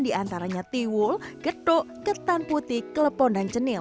diantaranya tiwul getuk ketan putih kelepon dan cenil